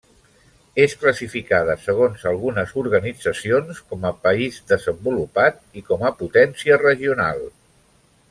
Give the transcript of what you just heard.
És classificada, segons algunes organitzacions, com a país desenvolupat, i com a potència regional.